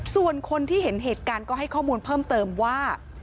ส่วนคนที่เห็นเหตุการณ์ก็ให้ข้อมูลเพิ่มเติมว่า